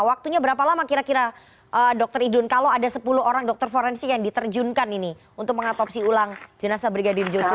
waktunya berapa lama kira kira dr idun kalau ada sepuluh orang dokter forensik yang diterjunkan ini untuk mengatopsi ulang jenazah brigadir joshua